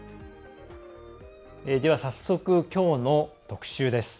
早速、きょうの特集です。